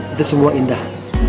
itu semua indah